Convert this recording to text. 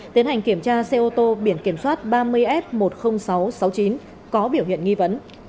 tiến hành kiểm tra xe ô tô biển kiểm soát ba mươi f một mươi nghìn sáu trăm sáu mươi chín có biểu hiện nghi vấn